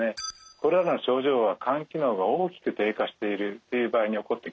これらの症状は肝機能が大きく低下しているという場合に起こってきます。